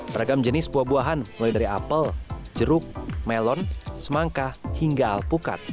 beragam jenis buah buahan mulai dari apel jeruk melon semangka hingga alpukat